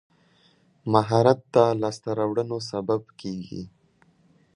مهارت د لاسته راوړنو سبب کېږي.